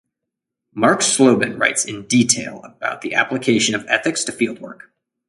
Mark Slobin writes in detail about the application of ethics to fieldwork.